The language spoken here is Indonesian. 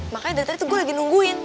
makanya dari tadi tuh gue lagi nungguin